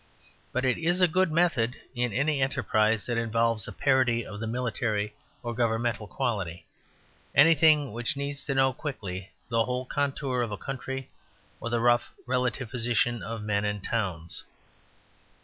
But it is a good method in any enterprise that involves a parody of the military or governmental quality anything which needs to know quickly the whole contour of a county or the rough, relative position of men and towns.